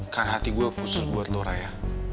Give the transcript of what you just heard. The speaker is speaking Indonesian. kan hati gue khusus buat lo raya